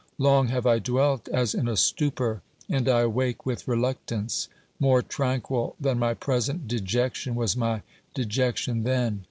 Long have I dwelt as in a stupor, and I awake with reluctance. More tranquil than my present dejection was my dejection then.